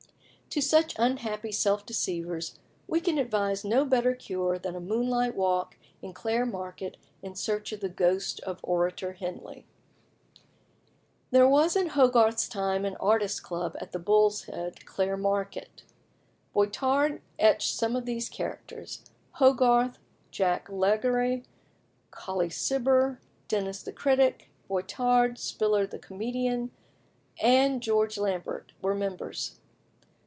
To such unhappy self deceivers we can advise no better cure than a moonlight walk in Clare Market in search of the ghost of Orator Henley. There was in Hogarth's time an artists' club at the Bull's Head, Clare Market. Boitard etched some of the characters. Hogarth, Jack Laguerre, Colley Cibber, Denis the critic (?), Boitard, Spiller the comedian, and George Lambert, were members.